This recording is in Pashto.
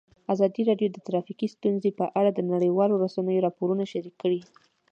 ازادي راډیو د ټرافیکي ستونزې په اړه د نړیوالو رسنیو راپورونه شریک کړي.